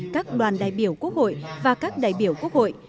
các đoàn đại biểu quốc hội và các đại biểu quốc hội